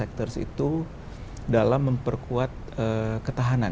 jadi bagaimana kita bisa memperkuat kekuatan kekuatan keuangan